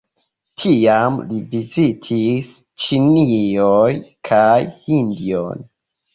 Tiam li vizitis Ĉinion kaj Hindion.